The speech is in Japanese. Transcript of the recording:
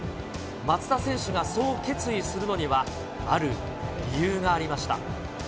松田選手がそう決意するのには、ある理由がありました。